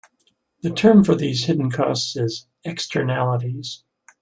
The term for these hidden costs is "Externalities".